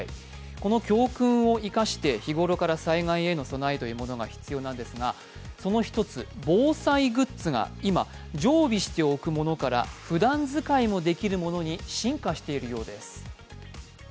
この教訓を生かして日頃から災害への備えが必要なんですが、その一つ、防災グッズが今、常備しておくものからふだん使いもできるものに進化しているようです。